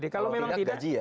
kalau tidak gaji ya